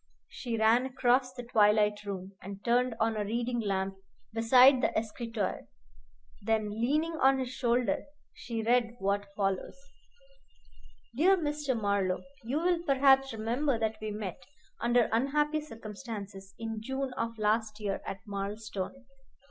She ran across the twilight room, and turned on a reading lamp beside the escritoire. Then, leaning on his shoulder, she read what follows: Dear Mr. Marlowe: You will perhaps remember that we met, under unhappy circumstances, in June of last year at Marlstone.